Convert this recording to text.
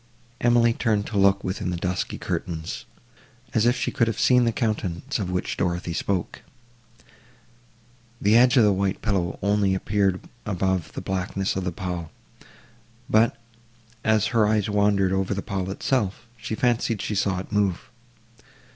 Emily turned to look within the dusky curtains, as if she could have seen the countenance of which Dorothée spoke. The edge of the white pillow only appeared above the blackness of the pall, but, as her eyes wandered over the pall itself, she fancied she saw it move.